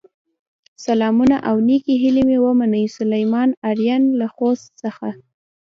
سلامونه او نیکې هیلې مې ومنئ، سليمان آرین له خوست څخه